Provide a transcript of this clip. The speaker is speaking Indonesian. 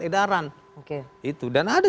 edaran dan ada